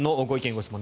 ・ご質問